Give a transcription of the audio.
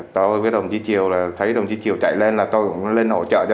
tôi với đồng chí triều thấy đồng chí triều chạy lên tôi cũng lên hỗ trợ cho đồng chí